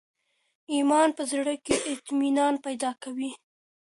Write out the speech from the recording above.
ایمان په زړه کي اطمینان پیدا کوي.